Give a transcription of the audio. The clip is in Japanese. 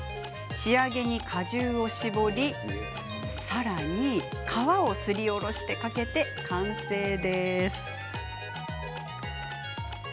仕上げに果汁を搾りかけさらに皮をすりおろしふりかけて完成です。